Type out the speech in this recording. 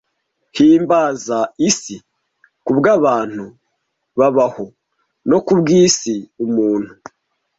Himbaza isi kubwabantu babaho, no kubwisi umuntu.